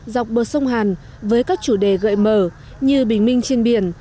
dọc bờ sông hàn với các chủ đề gợi mở như bình minh trên biển